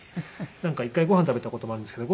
なんか一回ご飯食べた事もあるんですけど。